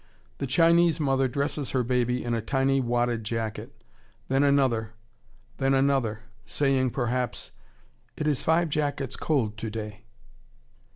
The Chinese mother dresses her baby in a tiny wadded jacket, then another, then another, saying perhaps, "It is five jackets cold to day."